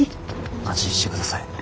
安心して下さい。